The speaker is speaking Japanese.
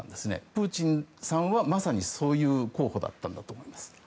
プーチンさんはまさにそういう候補だったんだと思います。